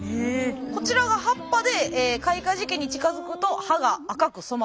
こちらが葉っぱで開花時期に近づくと葉が赤く染まります。